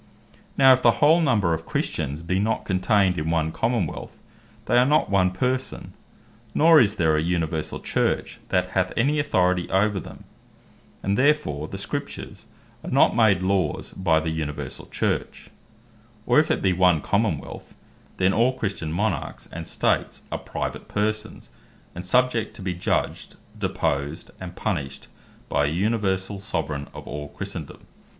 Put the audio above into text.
Now if the whole number of Christians be not contained in one Common wealth, they are not one person; nor is there an Universall Church that hath any authority over them; and therefore the Scriptures are not made Laws, by the Universall Church: or if it bee one Common wealth, then all Christian Monarchs, and States are private persons, and subject to bee judged, deposed, and punished by an Universall Soveraigne of all Christendome.